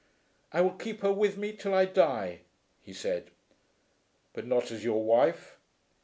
"I will keep her with me till I die," he said. "But not as your wife?"